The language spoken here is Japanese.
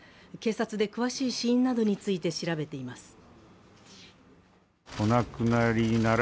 警察で詳しい死因などについて調べています。